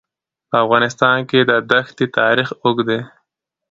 په افغانستان کې د دښتې تاریخ اوږد دی.